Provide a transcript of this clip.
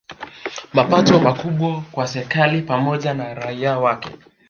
Mapato makubwa kwa serikali pamoja na raia wake